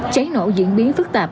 cháy nổ diễn biến phức tạp